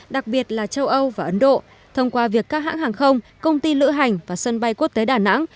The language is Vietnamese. đặc biệt là châu âu và ấn độ thông qua việc các hãng hàng không công ty lữ hành và sân bay quốc tế đà nẵng